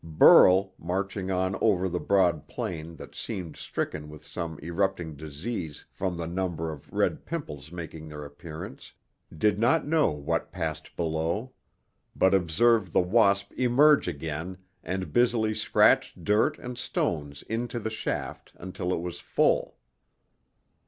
Burl, marching on over the broad plain that seemed stricken with some erupting disease from the number of red pimples making their appearance, did not know what passed below, but observed the wasp emerge again and busily scratch dirt and stones into the shaft until it was full.